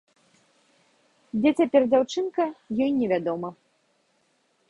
Дзе цяпер дзяўчынка, ёй невядома.